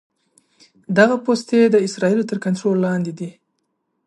دغه پوستې د اسرائیلو تر کنټرول لاندې دي.